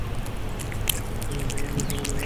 আমিও তোমার মতো একজন এজেন্ট আমি কোনো এজেন্ট না।